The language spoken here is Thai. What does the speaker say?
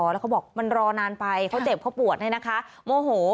แล้วเขาบอกมันรอนานไปเขาเจ็บเขาปวดเนี่ยนะคะโมโห